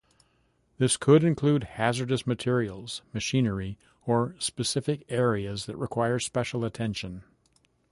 This could include hazardous materials, machinery, or specific areas that require special attention.